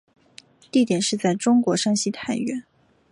地点是在中国山西太原。